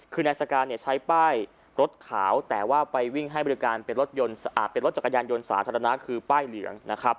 คือนายสการเนี่ยใช้ป้ายรถขาวแต่ว่าไปวิ่งให้บริการเป็นรถจักรยานยนต์สาธารณะคือป้ายเหลืองนะครับ